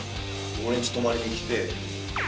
俺のうち泊まりに来て。